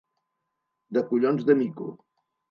De collons de mico.